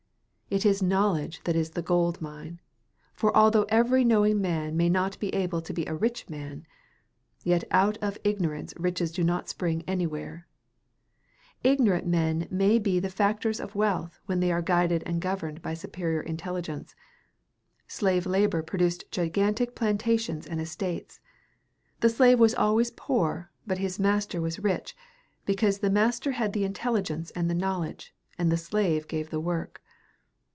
It is knowledge that is the gold mine; for although every knowing man may not be able to be a rich man, yet out of ignorance riches do not spring anywhere. Ignorant men may be made the factors of wealth when they are guided and governed by superior intelligence. Slave labor produced gigantic plantations and estates. The slave was always poor, but his master was rich, because the master had the intelligence and the knowledge, and the slave gave the work.